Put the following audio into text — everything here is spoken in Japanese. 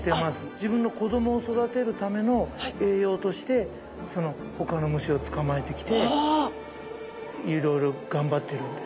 自分の子どもを育てるための栄養としてほかの虫を捕まえてきていろいろ頑張ってるんです。